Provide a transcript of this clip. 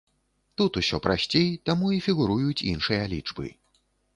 Тут усё прасцей, таму і фігуруюць іншыя лічбы.